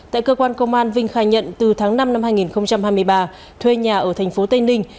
tại cơ quan công an vinh khai nhận từ tháng năm năm hai nghìn hai mươi ba thuê nhà ở thành phố tây ninh